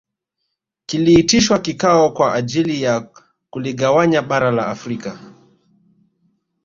Kiliitishwa kikao kwa ajili ya kuligawanya bara la Afrika